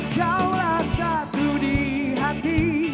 kau lah satu di hati